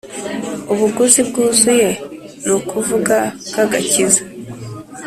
Ubuguzi bwuzuye ni ukuvuga bw'agakiza,